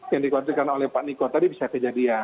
yang dikhawatirkan oleh pak niko tadi bisa kejadian